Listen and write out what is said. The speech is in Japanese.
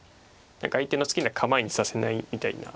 何か相手の好きな構えにさせないみたいな。